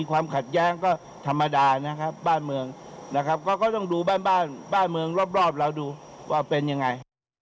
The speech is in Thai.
ว่าเป็นยังไง